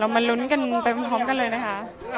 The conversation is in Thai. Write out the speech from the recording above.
มาลุ้นกันไปพร้อมกันเลยนะคะ